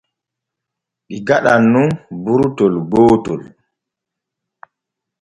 Ɗi gaɗan nun burtol gootol.